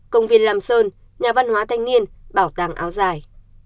công viên lam sơn nhà văn hóa thanh niên bảo tàng áo dài